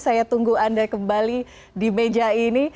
saya tunggu anda kembali di meja ini